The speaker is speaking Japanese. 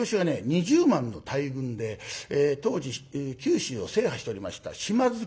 ２０万の大軍で当時九州を制覇しておりました島津家を攻めます。